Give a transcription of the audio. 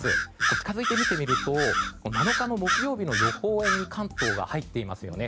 近づいて見てみると７日の木曜日の予報円に関東が入っていますよね。